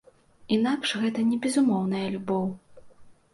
Інакш гэта не безумоўная любоў.